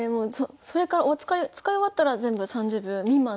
それから使い終わったら全部３０秒未満なんですもんね？